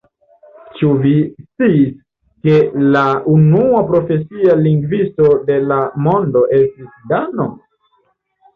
Ĉu vi sciis ke la unua profesia lingvisto de la mondo estis dano?